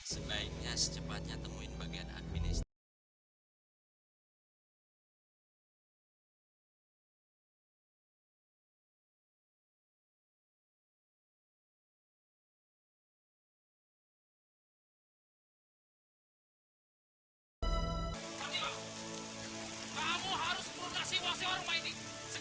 sebaiknya secepatnya temuin bagian administrasi